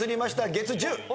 月１０。